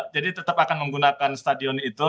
jadi tetap akan menggunakan stadion itu